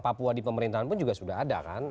papua di pemerintahan pun juga sudah ada kan